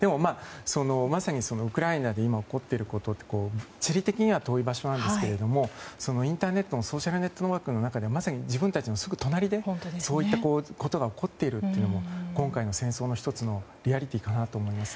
まさにウクライナで今、起こっていることは地理的には遠いところですがインターネットのソーシャルネットワークの中でまさに自分たちのすぐ隣でそういったことが起こっていることが今回の戦争の１つのリアリティーかなと思います。